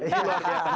ini luar biasa